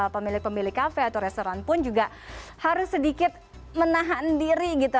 pemilik pemilik kafe atau restoran pun juga harus sedikit menahan diri gitu